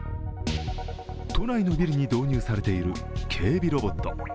都内のビルに導入されている警備ロボット。